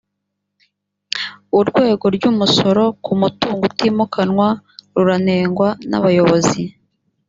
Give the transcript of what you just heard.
urwego ry’ umusoro ku mutungo utimukanwa ruranengwa nabayobozi.